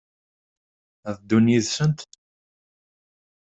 Ad ddun yid-sent?